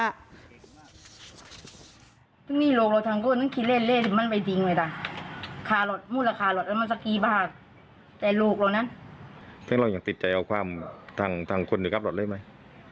อย่างน้อยใช่ไหม